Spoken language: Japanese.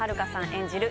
演じる